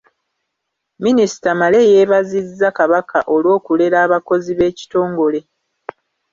Minisita Male era yeebazizza Kabaka olwokulera abakozi b’ekitongole.